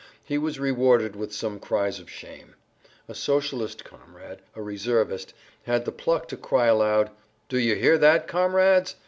He was rewarded with some cries of shame. A Socialist comrade, a reservist, had the pluck to cry aloud, "Do you hear that, comrades?